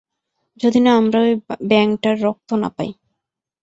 যদি না আমরা ঐ ব্যাঙটার রক্ত না পাই।